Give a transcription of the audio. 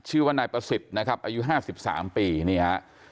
ชื่อวันไนประสิทธิ์นะครับอายุ๕๓ปีนี้ครับ